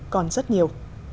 còn rất nhiều